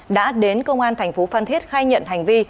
đã đến công an thành phố phan thiết khai nhận hành vi